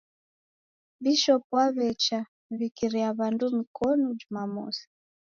Bishop waw'echa w'ikiria w'andu mikono jumamosi.